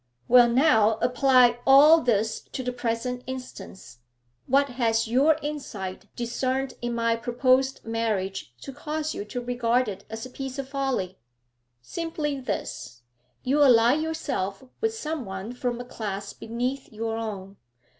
'Well now, apply all this to the present instance. What has your insight discerned in my proposed marriage to cause you to regard it as a piece of folly?' 'Simply this. You ally yourself with some one from a class beneath your own.